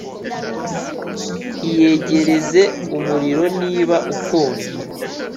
Iyegereze umuriro niba ukonje